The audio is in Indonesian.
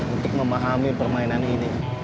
untuk memahami permainan ini